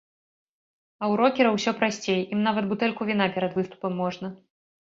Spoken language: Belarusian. А ў рокераў усё прасцей, ім нават бутэльку віна перад выступам можна.